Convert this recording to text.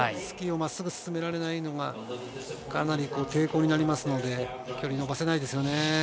スキーをまっすぐ進められないのがかなり抵抗になりますので飛距離を伸ばせないですね。